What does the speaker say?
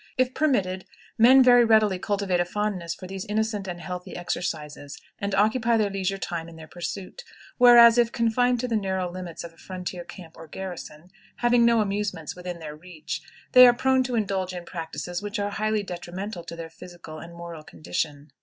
If permitted, men very readily cultivate a fondness for these innocent and healthy exercises, and occupy their leisure time in their pursuit; whereas, if confined to the narrow limits of a frontier camp or garrison, having no amusements within their reach, they are prone to indulge in practices which are highly detrimental to their physical and moral condition.